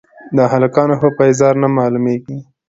د هلکانو ښه پېزار نه مېلاوېږي